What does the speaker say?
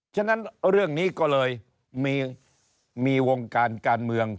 ฉะนั้นเรื่องนี้ก็เลยมีวงการการเมือง